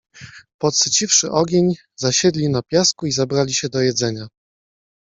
Podsyciwszy ogień zasiedli na piasku i zabrali się do jedzenia.